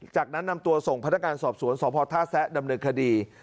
จากนั้นนำตัวส่งพนักงานสอบสวนสพท่าแซะดำเนินคดี